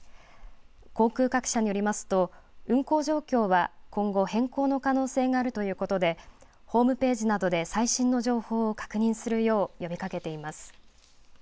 航空各社によりますと運航状況は今後、変更の可能性があるということでホームページなどで最新の情報を確認するよう呼びかけています。